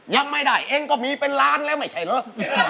ยังไม่ได้เองก็มีเป็นล้านแล้วไม่ใช่เหรอ